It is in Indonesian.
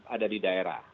ada di daerah